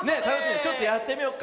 ちょっとやってみよっか。